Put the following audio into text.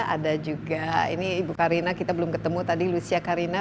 ada juga ini ibu karina kita belum ketemu tadi lucia karina